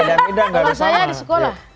kalau saya di sekolah